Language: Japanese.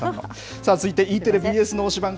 さあ、続いてＥテレ、ＢＳの推しバン！